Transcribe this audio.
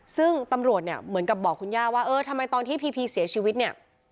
ซึ่งตำรวจเนี่ยเหมือนกับบอกคุณย่าว่าเออทำไมตอนที่พีพีเสียชีวิตเนี่ย